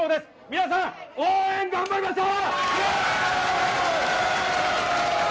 皆さん、応援頑張りましょう！